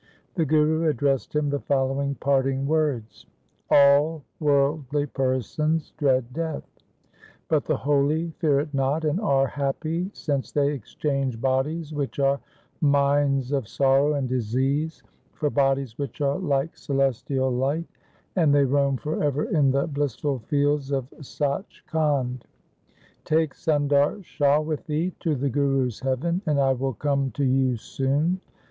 The Guru addressed him the following parting words :' All worldly persons dread death ; but the holy fear it not, and are happy since they exchange bodies, which are mines of sorrow and disease, for bodies which are like celestial light, and they roam for ever in the blissful fields of Sach Khand. Take Sundar Shah with thee to the Guru's heaven, and I will come to you soon.'